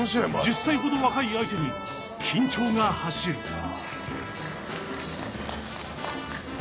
１０歳ほど若い相手に緊張が走る。